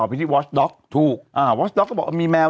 ไปที่วอสด๊อกก็บอกว่ามีแมว